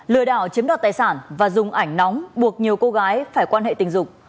lừa đảo chiếm đoạt tài sản và dùng ảnh nóng buộc nhiều cô gái phải quan hệ tình dục